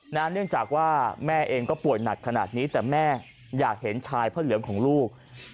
เนื่องจากว่าแม่เองก็ป่วยหนักขนาดนี้แต่แม่อยากเห็นชายพระเหลืองของลูก